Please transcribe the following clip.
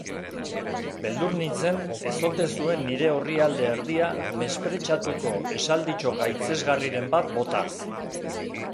Beldur nintzen ez ote zuen nire orrialde erdia mespretxatuko esalditxo gaitzesgarriren bat botaz.